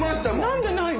何でないの？